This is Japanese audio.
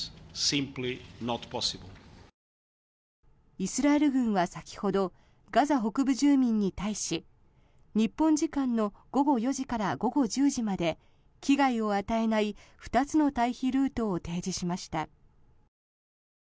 イスラエル軍は先ほどガザ北部住民に対し日本時間の午後４時から午後１０時まで危害を与えない２つの退避ルートを提示しました。